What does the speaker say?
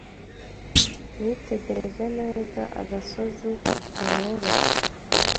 nitegereje neza agasozi namweretse